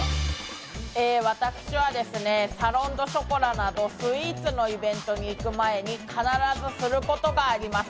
私はサロン・デュ・ショコラなどスイーツのイベントに行く前に必ずすることがあります。